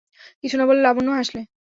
কিছু না বলে লাবণ্য হাসলে।